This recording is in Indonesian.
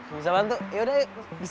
bisa bantu yaudah yuk